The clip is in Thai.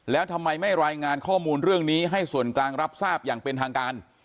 แล้วทำไมไม่รายงานข้อมูลเรื่องนี้ให้ส่วนกลางรับทราบอย่างเป็นทางการ